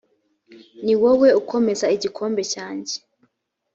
ni wowe ukomeza igikombe cyanjye